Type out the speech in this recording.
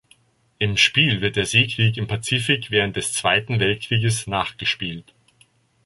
Im Spiel wird der Seekrieg im Pazifik während des Zweiten Weltkrieges nachgespielt.